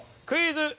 クイズ。